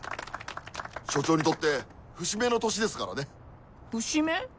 署長にとって節目の年ですからね。節目？